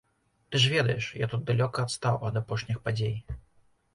Ты ж ведаеш, я тут далёка адстаў ад апошніх падзей.